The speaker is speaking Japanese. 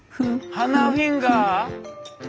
鼻フィンガー。